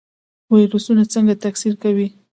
ویروسونه څنګه تکثیر کوي؟